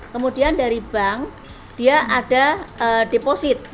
kemudian dari bank dia ada deposit